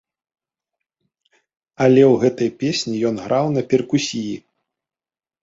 Але ў гэтай песні ён граў на перкусіі.